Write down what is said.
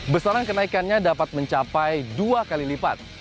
besaran kenaikannya dapat mencapai dua kali lipat